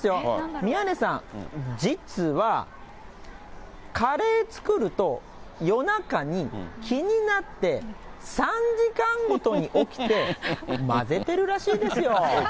宮根さん、実は、カレー作ると夜中に気になって３時間ごとに起きて、混ぜてるらしいですよ。